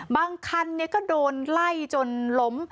บางคันก็โดนไล่จนล้ม